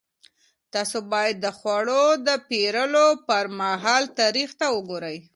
تاسو باید د خوړو د پېرلو پر مهال تاریخ ته وګورئ.